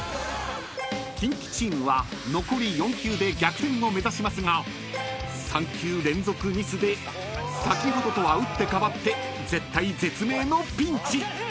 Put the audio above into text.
［キンキチームは残り４球で逆転を目指しますが３球連続ミスで先ほどとは打って変わって絶体絶命のピンチ］